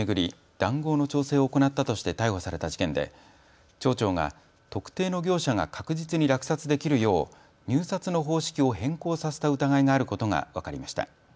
談合の調整を行ったとして逮捕された事件で町長が特定の業者が確実に落札できるよう入札の方式を変更させた疑いがあることが分かりました。